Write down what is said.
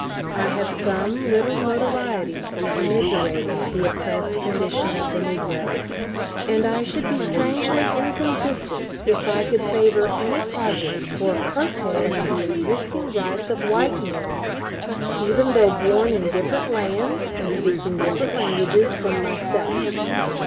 I have some little notoriety for commiserating the oppressed condition of the negro; and I should be strangely inconsistent if I could favor any project for curtailing the existing rights of white men, even though born in different lands, and speaking different languages from myself.